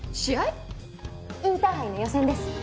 インターハイの予選です。